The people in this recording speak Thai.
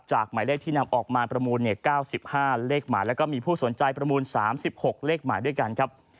หมายเลขที่นำออกมาประมูล๙๕เลขหมายแล้วก็มีผู้สนใจประมูล๓๖เลขหมายด้วยกันครับ